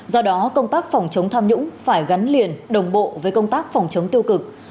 do đó công tác phòng chống tham nhũng phải gắn liền đồng bộ với công tác phòng chống tiêu cực